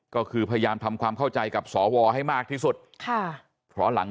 ก็คือพยายามทำความเข้าใจกับสวให้มากที่สุดค่ะเพราะหลัง